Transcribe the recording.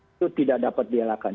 itu tidak dapat dielakkan